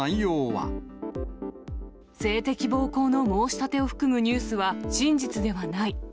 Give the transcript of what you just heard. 性的暴行の申し立てを含むニュースは真実ではない。